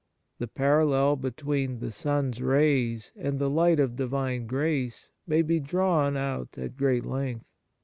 The parallel between the sun s rays and the light of Divine grace may be drawn out at great length.